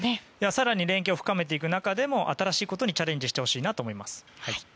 更に連係を深めていく中でも新しいことにチャレンジをしてほしいなと思います。